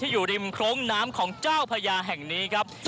อยู่ริมโครงน้ำของเจ้าพญาแห่งนี้ครับ